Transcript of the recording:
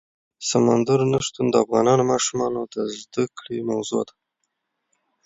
سمندر نه شتون د افغان ماشومانو د زده کړې موضوع ده.